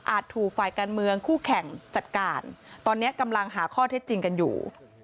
ถูกฝ่ายการเมืองคู่แข่งจัดการตอนนี้กำลังหาข้อเท็จจริงกันอยู่